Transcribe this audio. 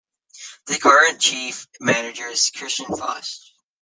Their current chief manager is Christian Fausch.